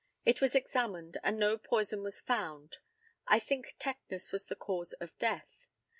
It was examined, and no poison was found. I think tetanus was the cause of death.